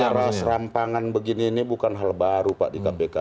cara serampangan begini ini bukan hal baru pak di kpk